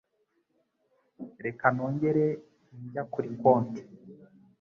Reka nongere njya kuri konti.